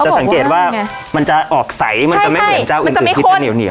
สังเกตว่ามันจะออกใสมันจะไม่เหมือนเจ้าอื่นที่จะเหนียว